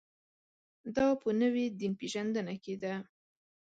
دا په نوې دین پېژندنه کې ده.